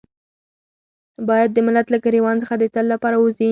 بايد د ملت له ګرېوان څخه د تل لپاره ووځي.